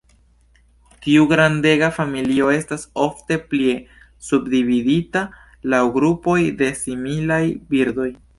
Tiu grandega familio estas ofte plie subdividita laŭ grupoj de similaj birdoj.